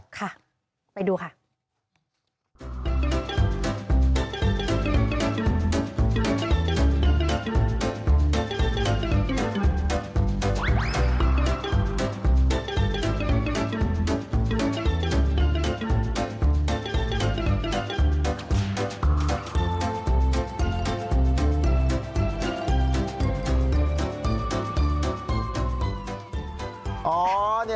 ค่ะไปดูค่ะ